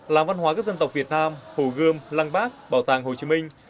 làng văn hóa các dân tộc việt nam hồ gươm lăng bác bảo tàng hồ chí minh